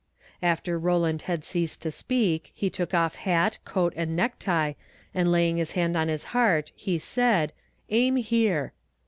"After Rowland had ceased to speak, he took off hat, coat and neck tie, and laying his hand on his heart, he said, "Aim here."